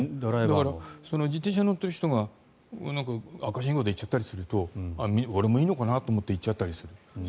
だから、自転車に乗っている人が赤信号で行っちゃったりすると俺もいいのかなと思って行っちゃったりする。